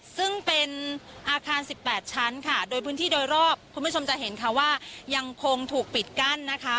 ซึ่งเป็นอาคารสิบแปดชั้นค่ะโดยพื้นที่โดยรอบคุณผู้ชมจะเห็นค่ะว่ายังคงถูกปิดกั้นนะคะ